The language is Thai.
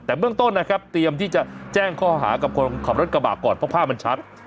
แต่เบื้องต้นนะครับเตรียมที่จะแจ้งข้อหากับคนขับรถกระบะก่อนเพราะภาพมันชัด